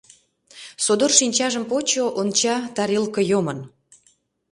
Содор шинчажым почо — онча, тарелка йомын.